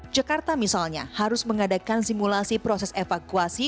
jakarta misalnya harus mengadakan simulasi proses evakuasi